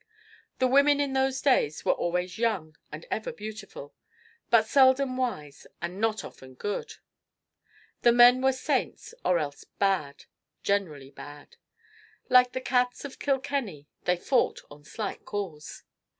The women in those days were always young and ever beautiful, but seldom wise and not often good. The men were saints or else "bad," generally bad. Like the cats of Kilkenny, they fought on slight cause.